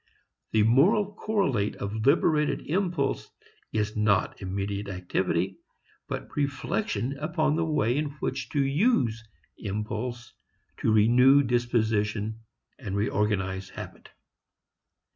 The moral correlate of liberated impulse is not immediate activity, but reflection upon the way in which to use impulse to renew disposition and reorganize habit.